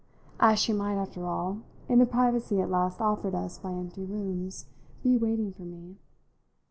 And she might, after all, in the privacy at last offered us by empty rooms, be waiting for me.